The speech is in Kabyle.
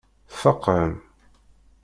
Tfeqɛem?